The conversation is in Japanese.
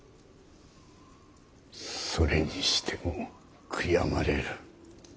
それにしても悔やまれる。